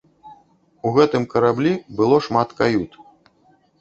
У гэтым караблі было шмат кают.